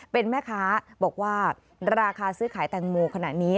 เป็นแม่ค้าบอกว่าราคาซื้อขายแตงโมขณะนี้